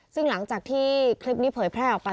ซึ่งหลังจากที่คลิปนี้เผยแพร่ออกไป